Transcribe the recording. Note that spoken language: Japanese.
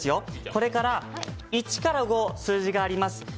これから１から５の数字があります。